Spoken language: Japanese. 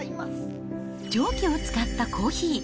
蒸気を使ったコーヒー。